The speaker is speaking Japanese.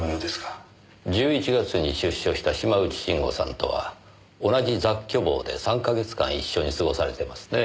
１１月に出所した島内慎吾さんとは同じ雑居房で３か月間一緒に過ごされてますね。